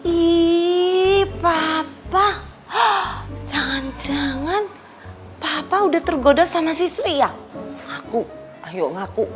eh papa jangan jangan papa udah tergoda sama sisri ya aku ayo ngaku